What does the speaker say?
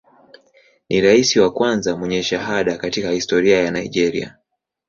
Ni rais wa kwanza mwenye shahada katika historia ya Nigeria.